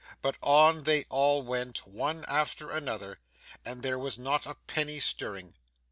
But on they all went, one after another, and there was not a penny stirring.